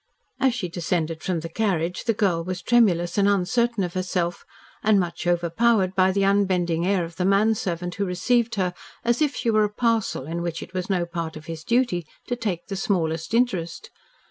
As she descended from the carriage the girl was tremulous and uncertain of herself and much overpowered by the unbending air of the man servant who received her as if she were a parcel in which it was no part of his duty to take the smallest interest.